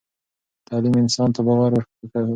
تعلیم انسان ته باور وربخښي.